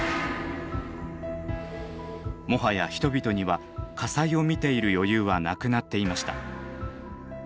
もはや人々には火災を見ている余裕はなくなっていました。